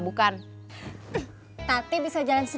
westad duit apa lo pakai